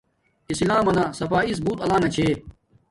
اسلام منا صفایس بوت الانݣ چھے